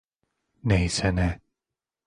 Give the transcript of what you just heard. Neyse ne.